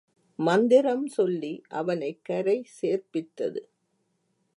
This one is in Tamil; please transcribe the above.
மந்திரம் சொல்லி அவனைக் கரை சேர்ப்பித்தது.